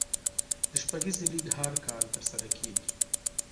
د شپږیزې لیګ هر کال ترسره کیږي.